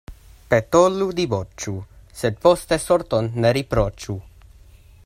Petolu, diboĉu, sed poste sorton ne riproĉu.